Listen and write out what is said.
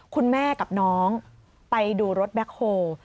คุณแม่กับน้องไปดูรถแบ็คโฮล